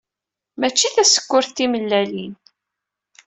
Mačči tasekkurt timellalin.